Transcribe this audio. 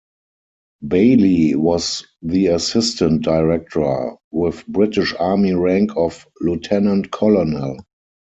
Bayly was the assistant director, with British army rank of lieutenant colonel.